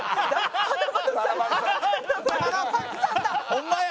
ホンマや！